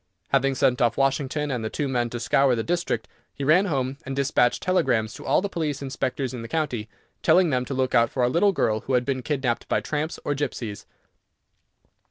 Having sent off Washington and the two men to scour the district, he ran home, and despatched telegrams to all the police inspectors in the county, telling them to look out for a little girl who had been kidnapped by tramps or gipsies.